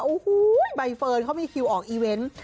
โอ้โหใบเฟิร์นเขามีคิวออกอีเวนต์